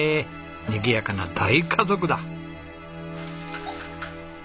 にぎやかな大家族だ。